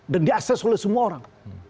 dan di ases oleh semua orang